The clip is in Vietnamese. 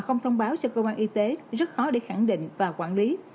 không thông báo cho cơ quan y tế rất khó để khẳng định và quản lý